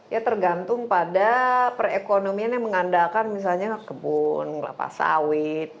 ya tergantung pada perekonomian yang mengandalkan misalnya kebun kelapa sawit